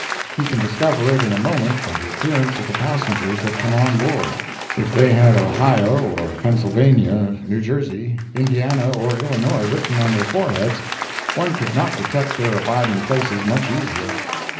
He can discover it in a moment by the appearance of the passengers that come on board. If they had Ohio or Pennsylvania, New Jersey, Indiana or Illinois written on their foreheads, one could not detect their abiding places much easier.